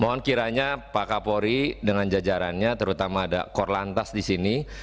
mohon kiranya pak kapolri dengan jajarannya terutama ada kor lantas disini